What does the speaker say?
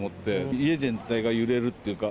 家全体が揺れるっていうか。